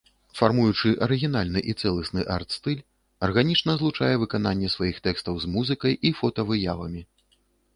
Фармуючы арыгінальны і цэласны арт-стыль, арганічна злучае выкананне сваіх тэкстаў з музыкай і фотавыявамі.